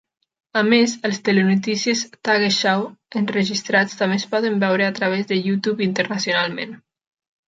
A més, els telenotícies "Tagesschau" enregistrats també es poden veure a través de YouTube internacionalment.